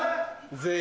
全員。